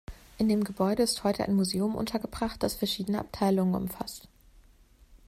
In dem Gebäude ist heute ein Museum untergebracht, das verschiedene Abteilungen umfasst.